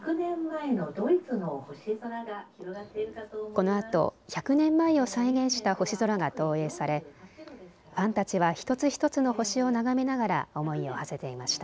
このあと１００年前を再現した星空が投影されファンたちは一つ一つの星を眺めながら思いをはせていました。